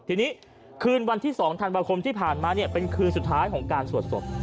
ทีนี้คืนวันที่๒ธันวาคมที่ผ่านมาเนี่ยเป็นคืนสุดท้ายของการสวดศพ